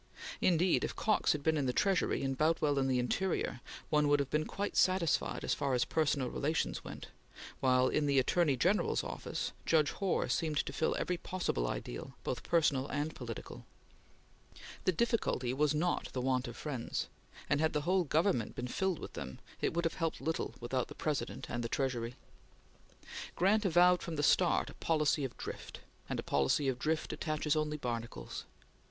Indeed, if Cox had been in the Treasury and Boutwell in the Interior, one would have been quite satisfied as far as personal relations went, while, in the Attorney General's Office, Judge Hoar seemed to fill every possible ideal, both personal and political. The difficulty was not the want of friends, and had the whole government been filled with them, it would have helped little without the President and the Treasury. Grant avowed from the start a policy of drift; and a policy of drift attaches only barnacles.